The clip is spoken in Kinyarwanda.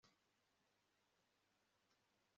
Ikinyabupfura ni umwami kandi kigira ubwami bwe bwiza